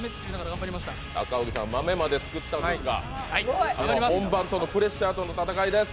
赤荻さん、まめまで作ったんですが、本番とのプレッシャーの戦いです。